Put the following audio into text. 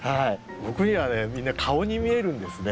僕にはみんな顔に見えるんですね。